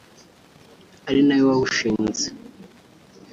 ari nawe wawushinze